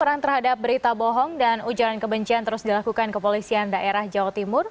perang terhadap berita bohong dan ujaran kebencian terus dilakukan kepolisian daerah jawa timur